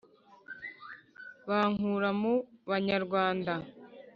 bankura mu banyarwanda! »